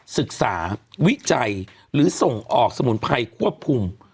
ศึกษาวิจัยหรือส่งออกสมุนไพรควบคุม